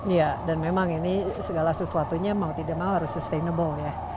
iya dan memang ini segala sesuatunya mau tidak mau harus sustainable ya